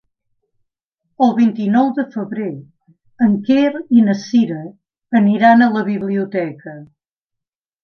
El vint-i-nou de febrer en Quer i na Cira aniran a la biblioteca.